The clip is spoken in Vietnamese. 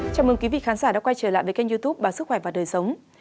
chào mừng quý vị khán giả đã quay trở lại với kênh youtube báo sức khỏe và đời sống